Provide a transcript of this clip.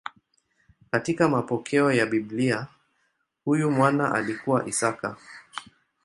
Katika mapokeo ya Biblia huyu mwana alikuwa Isaka.